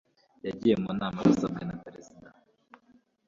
Yagiye mu nama abisabwe na perezida.